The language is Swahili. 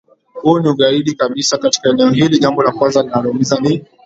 Huu ni ugaidi kabisa katika eneo hili Jambo la kwanza linaloumiza ni